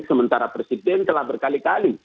sementara presiden telah berkali kali